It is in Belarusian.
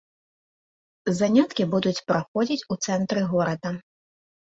Заняткі будуць праходзіць у цэнтры горада.